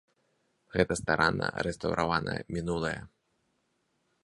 Гэта старанна рэстаўраванае мінулае.